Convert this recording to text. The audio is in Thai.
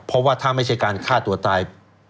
เพราะว่าถ้าไม่ใช่การฆ่าตัวตาย